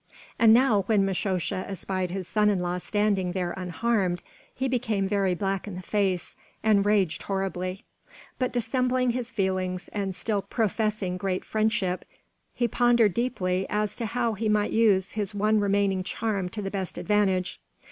And now when Mishosha espied his son in law standing there unharmed he became very black in the face and raged horribly. But dissembling his feelings and still professing great friendship he pondered deeply as to how he might use his one remaining charm to the best advantage.